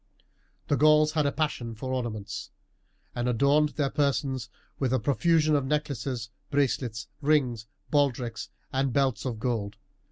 The Gauls had a passion for ornaments, and adorned their persons with a profusion of necklaces, bracelets, rings, baldricks, and belts of gold.